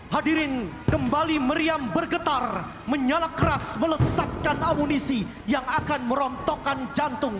hadirin kembali meriam bergetar menyala keras melesatkan amunisi yang akan merontokkan jantung